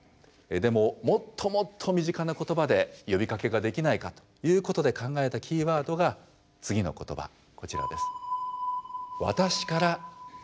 でももっともっと身近な言葉で呼びかけができないかということで考えたキーワードが次の言葉こちらです。